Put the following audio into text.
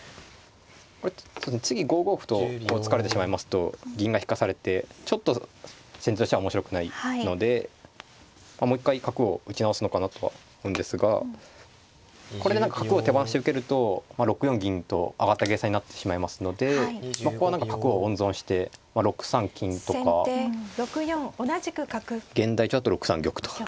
これ次５五歩と突かれてしまいますと銀が引かされてちょっと先手としては面白くないのでもう一回角を打ち直すのかなとは思うんですがこれで何か角を手放して受けると６四銀と上がった計算になってしまいますのでここは何か角を温存して６三金とか現代調だと６三玉とか。